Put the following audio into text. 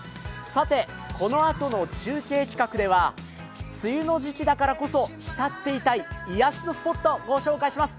このあとの中継企画では梅雨の時期だからこそ浸っていたい癒やしのスポットを御紹介します。